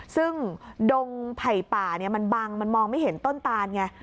ซึ่งดงไผ่ป่ามันบังมันมองไม่เห็นต้นตานไง